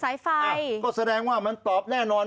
นี่คือไฟเป็นอะไร